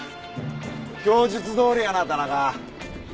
供述どおりやな田中。